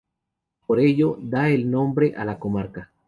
Por ello da el nombre a la comarca.